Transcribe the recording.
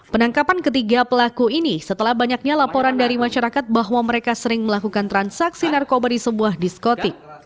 penangkapan ketiga pelaku ini setelah banyaknya laporan dari masyarakat bahwa mereka sering melakukan transaksi narkoba di sebuah diskotik